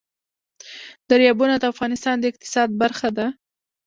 دریابونه د افغانستان د اقتصاد برخه ده.